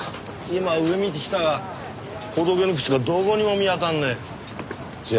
今上見てきたがホトケの靴がどこにも見当たらねえ。